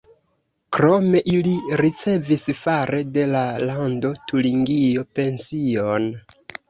Krome ili ricevis fare de la Lando Turingio pension.